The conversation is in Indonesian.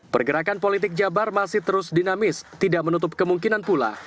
pergerakan politik jabar masih terus dinamis tidak menutup kemungkinan pula